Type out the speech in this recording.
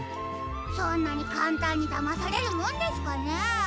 そんなにかんたんにだまされるもんですかねえ？